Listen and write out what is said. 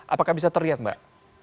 apakah bisa terlihat mbak